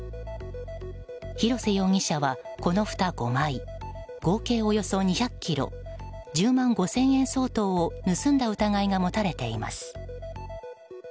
広瀬容疑者は、このふた５枚合計およそ２００ｋｇ１０万５０００円相当を盗んだ疑いが持たれています。